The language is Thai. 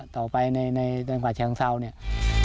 ต่อไปในประชาศาสตร์